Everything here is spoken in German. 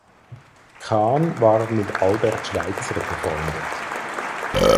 Cahn war mit Albert Schweitzer befreundet.